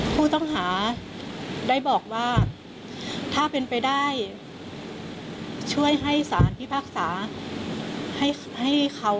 ผู้ต้องหาได้บอกว่าถ้าเป็นไปได้ช่วยให้สารพิพากษาให้เขา